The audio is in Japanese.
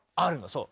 そう。